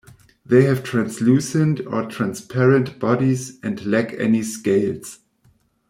They have translucent or transparent bodies, and lack any scales.